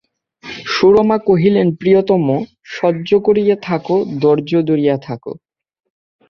সুরমা কহিলেন, প্রিয়তম, সহ্য করিয়া থাকো, ধৈর্য ধরিয়া থাকো।